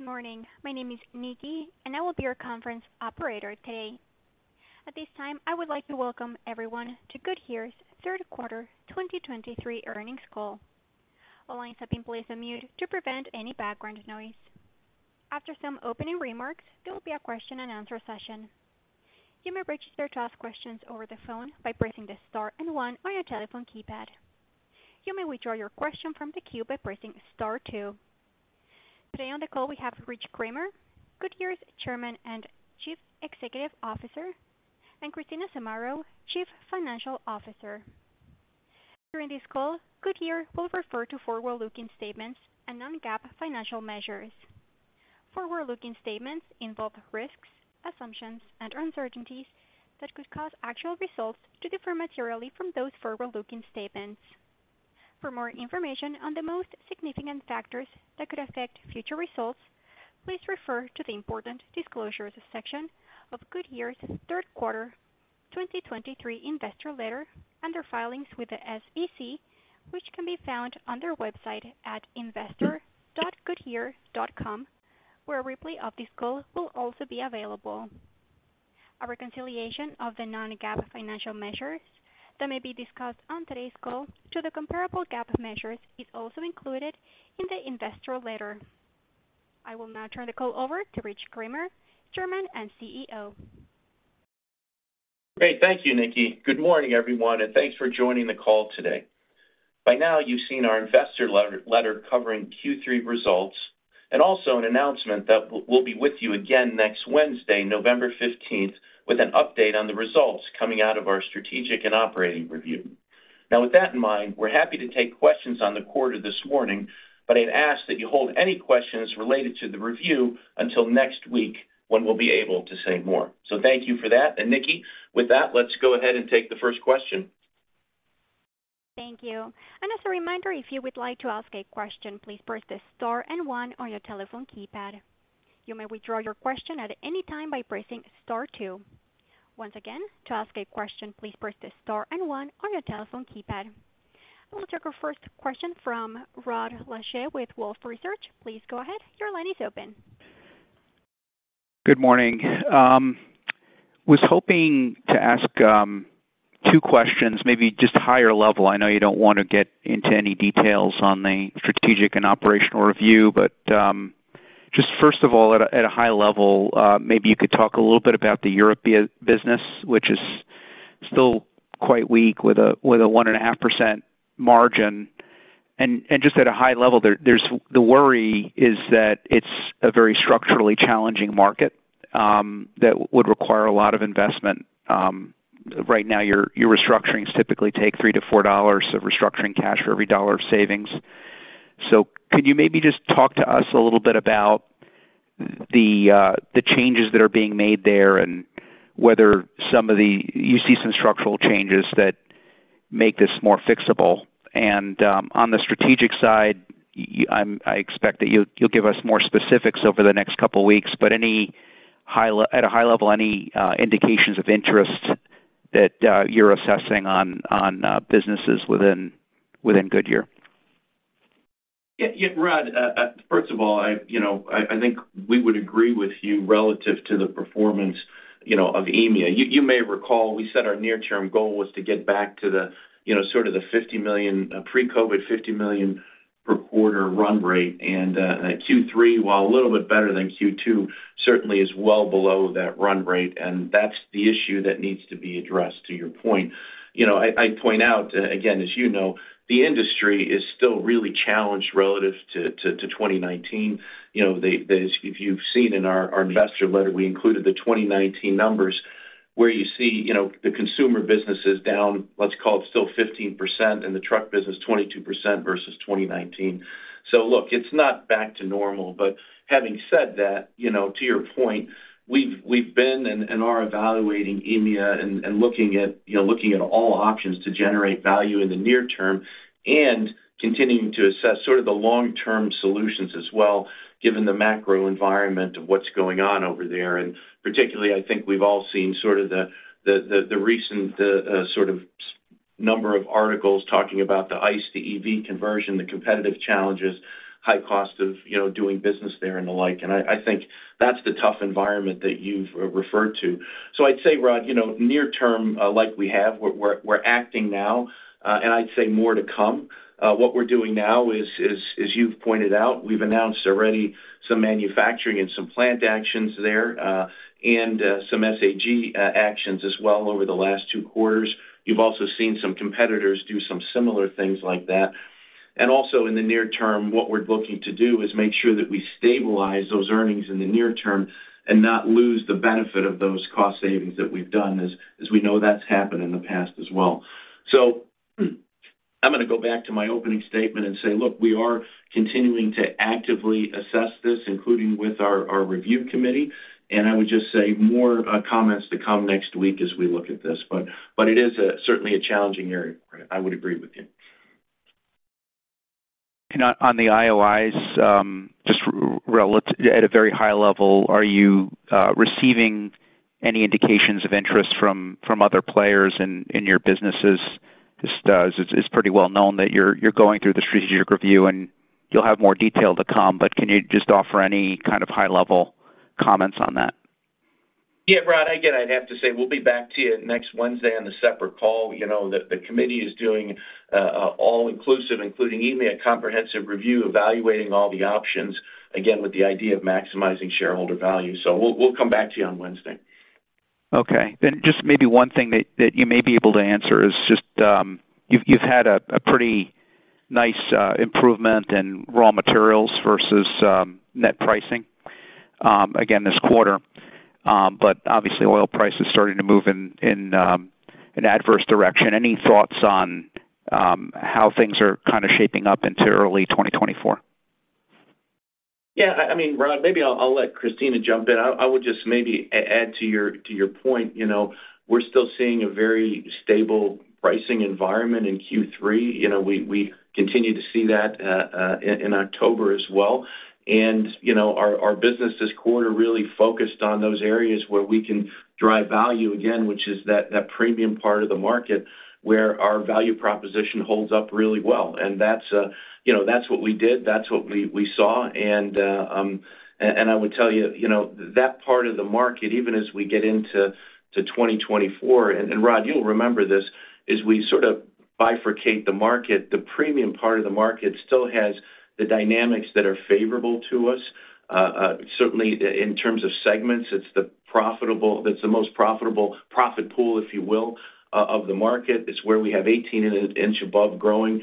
Good morning. My name is Nikki, and I will be your conference operator today. At this time, I would like to welcome everyone to Goodyear's third quarter 2023 earnings call. All lines have been placed on mute to prevent any background noise. After some opening remarks, there will be a question-and-answer session. You may raise your hand to ask questions over the phone by pressing the star and one on your telephone keypad. You may withdraw your question from the queue by pressing star two. Today on the call, we have Rich Kramer, Goodyear's Chairman and Chief Executive Officer, and Christina Zamarro, Chief Financial Officer. During this call, Goodyear will refer to forward-looking statements and non-GAAP financial measures. Forward-looking statements involve risks, assumptions, and uncertainties that could cause actual results to differ materially from those forward-looking statements. For more information on the most significant factors that could affect future results, please refer to the Important Disclosures section of Goodyear's third quarter 2023 investor letter and their filings with the SEC, which can be found on their website at investor.goodyear.com, where a replay of this call will also be available. A reconciliation of the non-GAAP financial measures that may be discussed on today's call to the comparable GAAP measures is also included in the investor letter. I will now turn the call over to Rich Kramer, Chairman and CEO. Great. Thank you, Nikki. Good morning, everyone, and thanks for joining the call today. By now, you've seen our investor letter covering Q3 results, and also an announcement that we'll be with you again next Wednesday, November 15th, with an update on the results coming out of our strategic and operating review. Now, with that in mind, we're happy to take questions on the quarter this morning, but I'd ask that you hold any questions related to the review until next week, when we'll be able to say more. So thank you for that. And Nikki, with that, let's go ahead and take the first question. Thank you. As a reminder, if you would like to ask a question, please press star and one on your telephone keypad. You may withdraw your question at any time by pressing star two. Once again, to ask a question, please press star and one on your telephone keypad. I will take our first question from Rod Lache with Wolfe Research. Please go ahead. Your line is open. Good morning. Was hoping to ask two questions, maybe just higher level. I know you don't want to get into any details on the strategic and operational review, but just first of all, at a high level, maybe you could talk a little bit about the Europe business, which is still quite weak with a 1.5% margin. And just at a high level there, there's the worry that it's a very structurally challenging market that would require a lot of investment. Right now, your restructuring typically take $3-$4 of restructuring cash for every $1 of savings. So could you maybe just talk to us a little bit about the changes that are being made there, and whether some of the... You see some structural changes that make this more fixable? And on the strategic side, I expect that you'll give us more specifics over the next couple of weeks, but any at a high level, any indications of interest that you're assessing on businesses within Goodyear? Yeah, yeah, Rod, first of all, you know, I think we would agree with you relative to the performance, you know, of EMEA. You may recall, we said our near-term goal was to get back to the, you know, sort of the $50 million pre-COVID $50 million per quarter run rate. Q3, while a little bit better than Q2, certainly is well below that run rate, and that's the issue that needs to be addressed, to your point. You know, I point out, again, as you know, the industry is still really challenged relative to 2019. You know, if you've seen in our investor letter, we included the 2019 numbers, where you see, you know, the consumer business is down, let's call it, still 15%, and the truck business, 22% versus 2019. So look, it's not back to normal. But having said that, you know, to your point, we've been and are evaluating EMEA and looking at, you know, looking at all options to generate value in the near-term and continuing to assess sort of the long-term solutions as well, given the macro environment of what's going on over there. And particularly, I think we've all seen sort of the recent sort of number of articles talking about the ICE to EV conversion, the competitive challenges, the high cost of, you know, doing business there, and the like. I think that's the tough environment that you've referred to. So I'd say, Rod, you know, near-term, like we're acting now, and I'd say more to come. What we're doing now is, as you've pointed out, we've announced already some manufacturing and some plant actions there, and some SAG actions as well over the last two quarters. You've also seen some competitors do some similar things like that. And also, in the near-term, what we're looking to do is make sure that we stabilize those earnings in the near-term and not lose the benefit of those cost savings that we've done, as we know that's happened in the past as well. So I'm gonna go back to my opening statement and say, look, we are continuing to actively assess this, including with our Review Committee, and I would just say more comments to come next week as we look at this. But it is certainly a challenging area, Rod. I would agree with you. And on the IOIs, just at a very high level, are you receiving any indications of interest from other players in your businesses? Just as it's pretty well known that you're going through the strategic review, and you'll have more detail to come, but can you just offer any kind of high-level comments on that? Yeah, Rod, again, I'd have to say, we'll be back to you next Wednesday on a separate call. You know, the committee is doing an all-inclusive, including EMEA, a comprehensive review, evaluating all the options, again, with the idea of maximizing shareholder value. So we'll come back to you on Wednesday. Okay. Then just maybe one thing that you may be able to answer is just, you've had a pretty nice improvement in raw materials versus net pricing again this quarter. But obviously, oil prices are starting to move in an adverse direction. Any thoughts on how things are kind of shaping up into early 2024? Yeah, I mean, Rod, maybe I'll let Christina jump in. I would just maybe add to your point, you know, we're still seeing a very stable pricing environment in Q3. You know, we continue to see that in October as well. And, you know, our business this quarter really focused on those areas where we can drive value, again, which is that premium part of the market, where our value proposition holds up really well. And that's, you know, that's what we did, that's what we saw. And I would tell you, you know, that part of the market, even as we get into 2024, and Rod, you'll remember this, is we sort of bifurcate the market. The premium part of the market still has the dynamics that are favorable to us. Certainly, in terms of segments, it's the profitable—that's the most profitable profit pool, if you will, of the market. It's where we have 18-inch above growing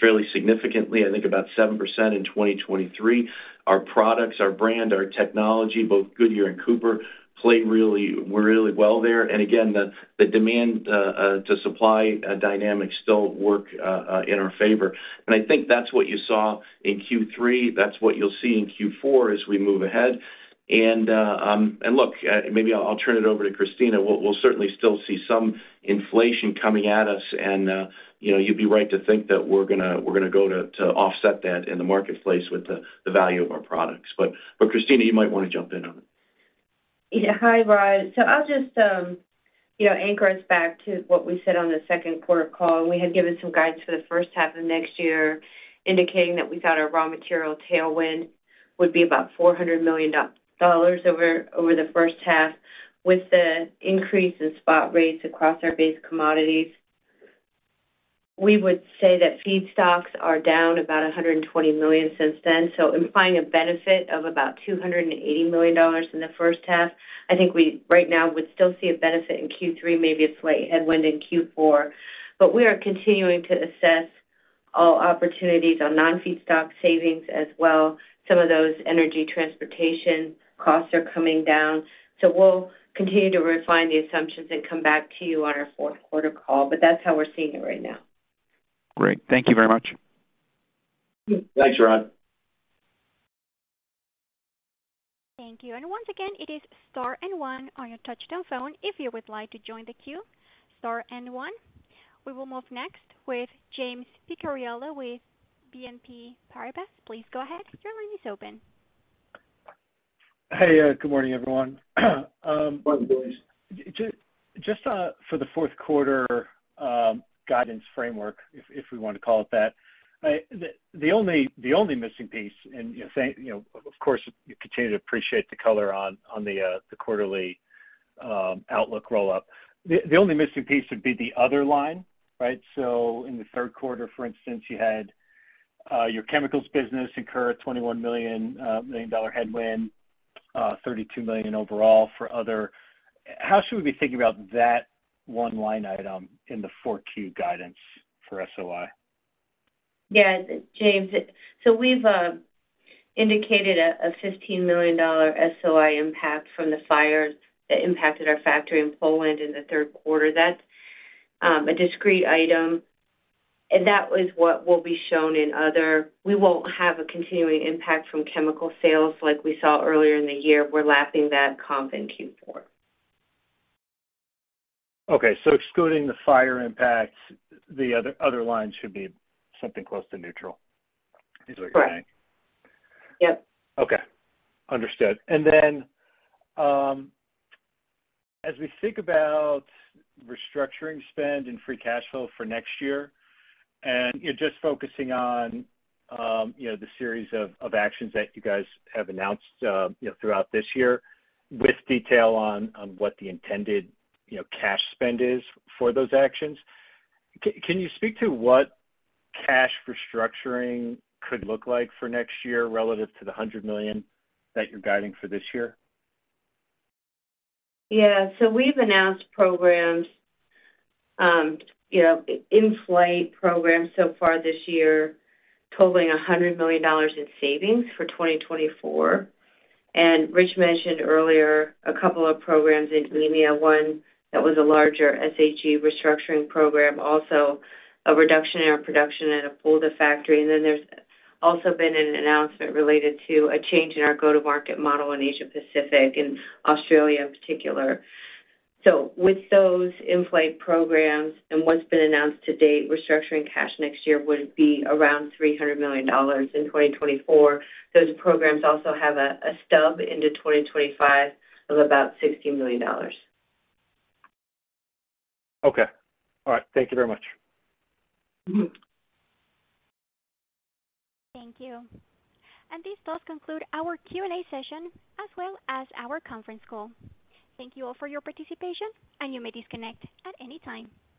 fairly significantly, I think about 7% in 2023. Our products, our brand, our technology, both Goodyear and Cooper, play really, really well there. And again, the demand-to-supply dynamics still work in our favor. And I think that's what you saw in Q3. That's what you'll see in Q4 as we move ahead. And look, maybe I'll turn it over to Christina. We'll, we'll certainly still see some inflation coming at us, and you know, you'd be right to think that we're gonna, we're gonna go to, to offset that in the marketplace with the, the value of our products. But, but Christina, you might wanna jump in on it. Yeah. Hi, Rod. So I'll just, you know, anchor us back to what we said on the second quarter call, and we had given some guidance for the first half of next year, indicating that we thought our raw material tailwind would be about $400 million over the first half. With the increase in spot rates across our base commodities, we would say that feedstocks are down about $120 million since then, so implying a benefit of about $280 million in the first half. I think we, right now, would still see a benefit in Q3, maybe a slight headwind in Q4. But we are continuing to assess all opportunities on non-feedstock savings as well. Some of those energy transportation costs are coming down. So we'll continue to refine the assumptions and come back to you on our fourth quarter call, but that's how we're seeing it right now. Great. Thank you very much. Thanks, Rod. Thank you. And once again, it is star and one on your touchtone phone if you would like to join the queue, star and one. We will move next with James Picariello with BNP Paribas. Please go ahead. Your line is open. Hey, good morning, everyone. Good morning, James. Just for the fourth quarter guidance framework, if we want to call it that, the only missing piece, and you know, thank you, you know. Of course, we continue to appreciate the color on the quarterly outlook roll-up. The only missing piece would be the other line, right? So in the third quarter, for instance, you had your chemicals business incur $21 million headwind, $32 million overall for others. How should we be thinking about that one line item in the 4Q guidance for SOI? Yeah, James, so we've indicated a $15 million SOI impact from the fires that impacted our factory in Poland in the third quarter. That's a discrete item, and that is what will be shown in the other. We won't have a continuing impact from chemical sales like we saw earlier in the year. We're lapping that comp in Q4. Okay, so excluding the fire impact, the other line should be something close to neutral, is what you're saying? Correct. Yep. Okay, understood. And then, as we think about restructuring spend and free cash flow for next year, and, you know, just focusing on, you know, the series of actions that you guys have announced, you know, throughout this year with detail on what the intended, you know, cash spend is for those actions, can you speak to what cash restructuring could look like for next year relative to the $100 million that you're guiding for this year? Yeah, so we've announced programs, you know, in-flight programs so far this year, totaling $100 million in savings for 2024. And Rich mentioned earlier a couple of programs in EMEA, one that was a larger SG&A restructuring program, also a reduction in our production at a Poland factory. And then there's also been an announcement related to a change in our go-to-market model in the Asia Pacific, in Australia in particular. So, with those in-flight programs and what's been announced to date, restructuring cash next year would be around $300 million in 2024. Those programs also have a stub into 2025 of about $60 million. Okay. All right. Thank you very much. Mm-hmm. Thank you. This does conclude our Q&A session, as well as our conference call. Thank you all for your participation, and you may disconnect at any time.